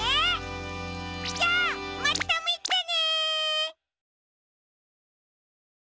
じゃあまたみてね！